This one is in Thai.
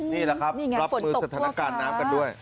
นี่แหละครับรับมือสถานการณ์น้ำกันด้วย